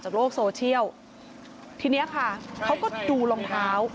โลกโซเชียลทีเนี้ยค่ะเขาก็ดูรองเท้า